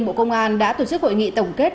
bộ công an đã tổ chức hội nghị tổng kết